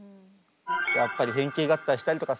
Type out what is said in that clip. やっぱり変形合体したりとかさ